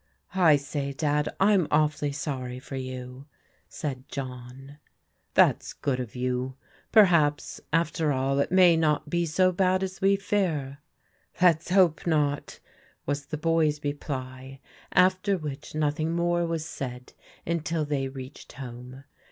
" I say, Dad, I'm awfully sorry for you," said John. " That's good of you. Perhaps after all it may not be so bad as we fear." *' Let's hope not," was the boy's reply, after which nothing more was said until they reached home.